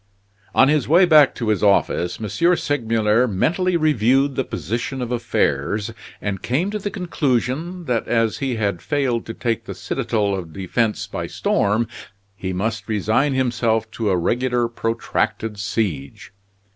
XVII On his way back to his office, M. Segmuller mentally reviewed the position of affairs; and came to the conclusion that as he had failed to take the citadel of defense by storm, he must resign himself to a regular protracted siege.